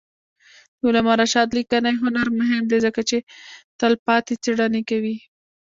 د علامه رشاد لیکنی هنر مهم دی ځکه چې تلپاتې څېړنې کوي.